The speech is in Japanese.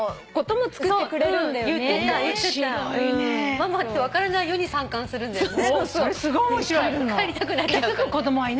ママって分からないように参観するんだよね。